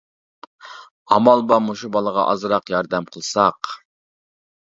ئامال بار مۇشۇ بالىغا ئازراق ياردەم قىلساق.